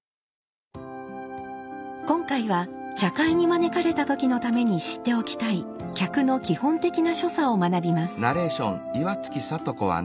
今回は茶会に招かれた時のために知っておきたい客の基本的な所作を学びます。